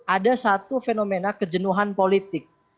ada satu fenomena kejenuhan politik